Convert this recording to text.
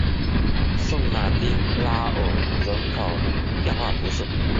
圣马丁拉尔人口变化图示